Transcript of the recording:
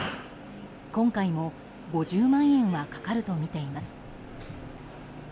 今回も５０万円はかかるとみています。